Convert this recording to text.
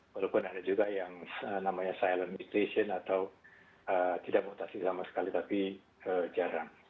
walaupun ada juga yang namanya silent mustation atau tidak mutasi sama sekali tapi jarang